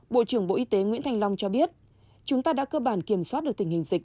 bộ trưởng bộ y tế nguyễn thành long cho biết chúng ta đã cơ bản kiểm soát được tình hình dịch